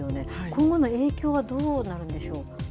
今後の影響はどうなるんでしょう？